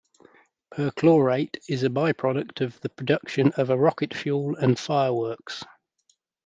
Perchlorate is a byproduct of the production of a rocket fuel and fireworks.